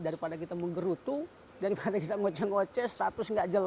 daripada kita menggerutu daripada kita ngoceh ngoceh status nggak jelas